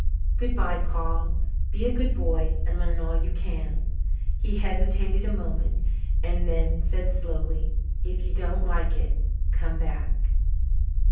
"Good bye, Paul. Be a good boy and learn all you can." He hesitated a moment and then said slowly, "If you don't like it, come back."